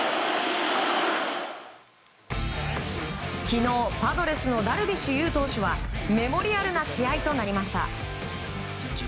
昨日、パドレスのダルビッシュ有投手はメモリアルな試合となりました。